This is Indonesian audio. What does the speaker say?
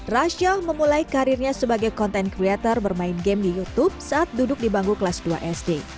rasha memulai karirnya sebagai content creator bermain game di youtube saat duduk di bangku kelas dua sd